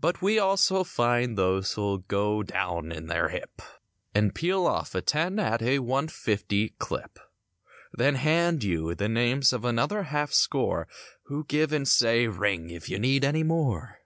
But, we also find those who'll go "down in their hip" And peal off a ten at a one fifty clip Then hand you the names of another half score Who give and say "Ring if you need anymore."